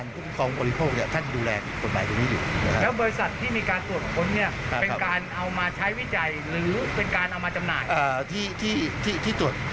ถูกต้องครับผู้ครอบครอง